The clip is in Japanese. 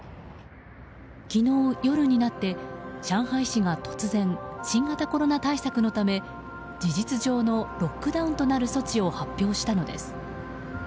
昨日、夜になって上海市が突然新型コロナ対策のため、事実上のロックダウンとなる措置を発表したのです。